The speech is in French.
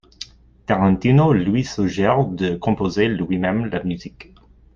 Tarantino lui suggère de composer lui-même la musique.